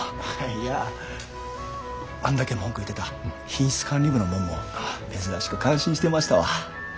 いやあんだけ文句言うてた品質管理部のもんも珍しく感心してましたわ。